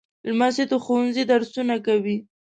لمسی د ښوونځي درسونه کوي.